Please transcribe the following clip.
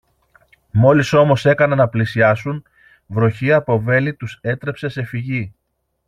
Μόλις όμως έκαναν να πλησιάσουν, βροχή από βέλη τους έτρεψε σε φυγή.